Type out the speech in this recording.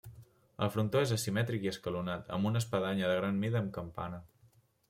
El frontó és asimètric i escalonat, amb una espadanya de gran mida amb campana.